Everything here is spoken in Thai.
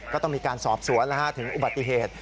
ก็ต้องมีการสอบสวนถึงอุบัติเหตุ